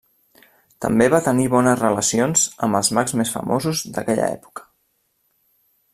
També va tenir bones relacions amb els mags més famosos d'aquella època.